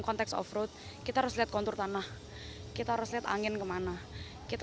konteks off road kita harus lihat kontur tanah kita harus lihat angin kemana kita